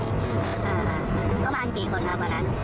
เอ้าเค้าบรานกี่คนครับก่อนนั้น